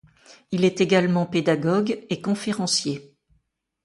Il est également pédagogue et conférencier.